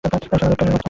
শালা রাইমের বাচ্চা।